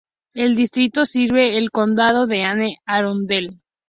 El distrito sirve el condado de Anne Arundel.